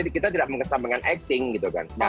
kita tidak mengesan dengan acting gitu kan